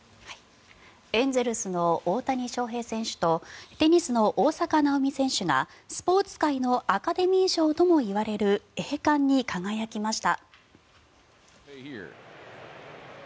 エンゼルスの大谷翔平選手とテニスの大坂なおみ選手がスポーツ界のアカデミー賞ともいわれる栄冠に輝きました。